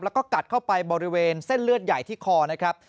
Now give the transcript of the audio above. แล้วก็กัดเข้าไปบริเวณเส้นเลือดใหญ่ที่คอนะครับ